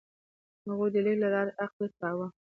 هغوی د لیک له لارې عقل خپراوه.